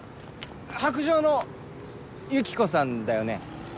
白杖のユキコさんだよね？